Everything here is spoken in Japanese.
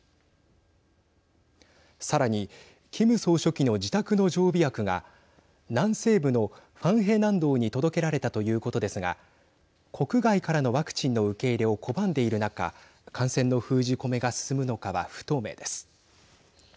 さらにキム総書記の自宅の常備薬が南西部のファンヘ南道に届けられたということですが国外からのワクチンの受け入れを拒んでいる中感染の封じ込めが進むのかは不透明です。